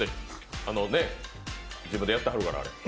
自分でやってはるから。